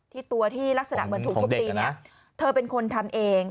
ที่ตัวที่ลักษณะเหมือนถูกทุบตีเนี่ยเธอเป็นคนทำเอง